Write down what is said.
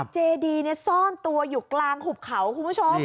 เจดีซ่อนตัวอยู่กลางหุบเขาคุณผู้ชม